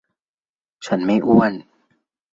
ฉันไม่อ้วน